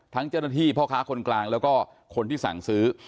เจ้าหน้าที่พ่อค้าคนกลางแล้วก็คนที่สั่งซื้อ